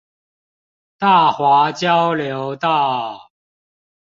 大華交流道